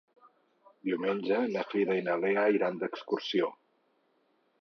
Diumenge na Frida i na Lea iran d'excursió.